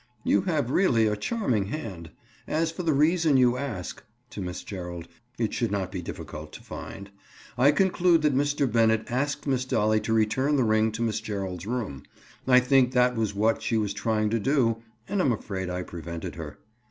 "You have really a charming hand. As for the reason you ask"—to Miss Gerald—"it should not be difficult to find. I conclude that Mr. Bennett asked Miss Dolly to return the ring to Miss Gerald's room. I think that was what she was trying to do and I'm afraid I prevented her."